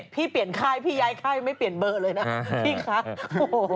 พี่เปลี่ยนค่ายพี่ย้ายค่ายไม่เปลี่ยนเบอร์เลยนะพี่คะ